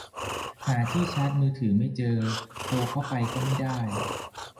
หาที่ชาร์จมือถือไม่เจอ โทรเข้าก็ไม่ได้